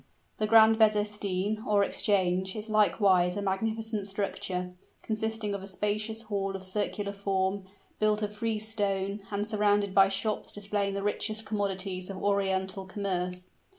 The Grand Bezestein, or exchange, is likewise a magnificent structure consisting of a spacious hall of circular form, built of free stone, and surrounded by shops displaying the richest commodities of Oriental commerce.